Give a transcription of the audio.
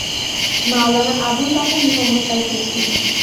Maulana Abul Bashar Muhammad Saiful Islam.